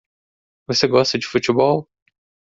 Você gosta de futebol?